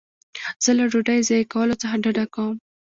زه له ډوډۍ ضایع کولو څخه ډډه کوم.